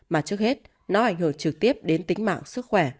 mà trước hết nó ảnh hưởng trực tiếp đến tính mạng sức khỏe